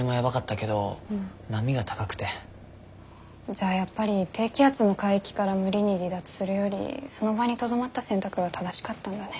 じゃあやっぱり低気圧の海域から無理に離脱するよりその場にとどまった選択は正しかったんだね。